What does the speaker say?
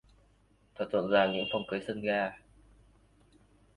Thật rộn ràng những phòng cưới sân ga